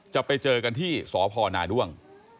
จะไปเจอกันที่สพนาด้วง